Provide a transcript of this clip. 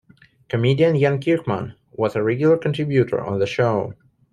Comedian Jen Kirkman was a regular contributor on the show.